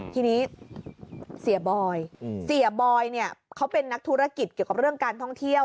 ทีนี้เสียบอยเสียบอยเนี่ยเขาเป็นนักธุรกิจเกี่ยวกับเรื่องการท่องเที่ยว